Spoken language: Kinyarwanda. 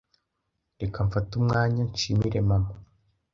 Reka mfate umwanya nshimire mama